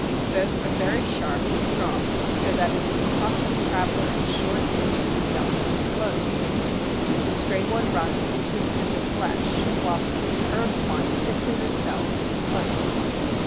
Both are very sharp and strong, so that an incautious traveller is sure to injure himself and his clothes. The straight one runs into his tender flesh, whilst the curved one fixes itself in his clothes.